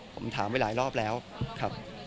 ผมถามไปหลายรอบแล้วครับ